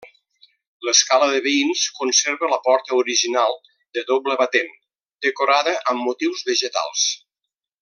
L'escala de veïns conserva la porta original, de doble batent, decorada amb motius vegetals.